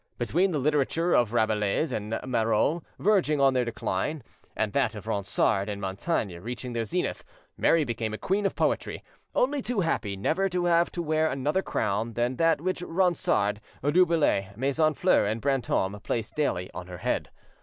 Between the literature of Rabelais and Marot verging on their decline, and that of Ronsard and Montaigne reaching their zenith, Mary became a queen of poetry, only too happy never to have to wear another crown than that which Ronsard, Dubellay, Maison Fleur, and Brantome placed daily on her head.